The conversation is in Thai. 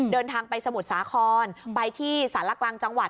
เดินทางไปสมุทรสาครไปที่สารกลางจังหวัด